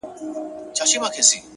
• زه مي هغسي ښاغلی بیرغ غواړم ,